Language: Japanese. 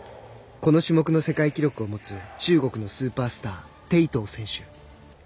この種目の世界記録を持つ中国のスーパースター鄭涛選手。